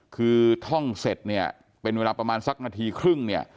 คือท่องเสร็จเป็นเวลาประมาณสักนาทีครึ่ง